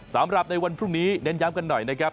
สำหรับในวันพรุ่งนี้เน้นย้ำกันหน่อยนะครับ